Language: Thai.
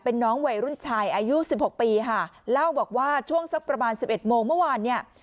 เป็นน้องวัยรุ่นชายอายุสิบหกปีค่ะเล่าบอกว่าช่วงสักประมาณสิบเอ็ดโมงเมื่อวานเนี่ย